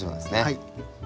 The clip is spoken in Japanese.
はい。